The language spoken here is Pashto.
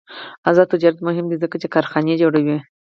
آزاد تجارت مهم دی ځکه چې کارخانې جوړوي.